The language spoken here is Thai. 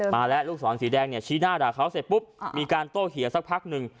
มาแล้วลูกศรสีแดงเนี่ยชี้หน้าด่าเขาเสร็จปุ๊บมีการโต้เถียงสักพักหนึ่ง